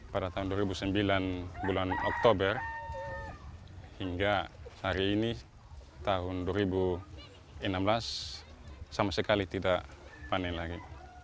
pada tahun dua ribu sembilan bulan oktober hingga hari ini tahun dua ribu enam belas sama sekali tidak panen lagi